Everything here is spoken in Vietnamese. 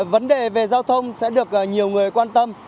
vấn đề về giao thông sẽ được nhiều người quan tâm